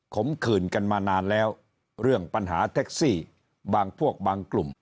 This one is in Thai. ขื่นกันมานานแล้วเรื่องปัญหาแท็กซี่บางพวกบางกลุ่ม